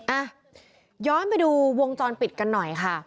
อ่ะย้อนไปดูวงจรปิดกันหน่อยค่ะ